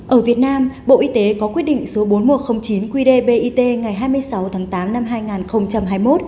ở việt nam bộ y tế có quyết định số bốn nghìn một trăm linh chín qdbit ngày hai mươi sáu tháng tám năm hai nghìn hai mươi một